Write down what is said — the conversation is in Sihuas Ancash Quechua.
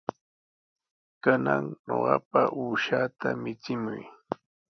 Kanan ñuqapa uushaata michimuy.